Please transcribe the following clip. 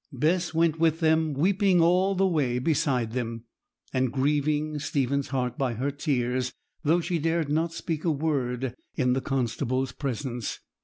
Bess went with them, weeping all the way beside them, and grieving Stephen's heart by her tears, though she dared not speak a word in the constable's presence.